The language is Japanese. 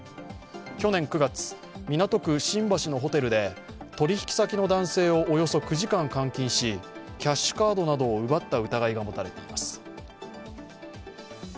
去年９月、港区新橋のホテルで取引先の男性をおよそ９時間監禁し、キャッシュカードなどを奪った疑いが持たれています。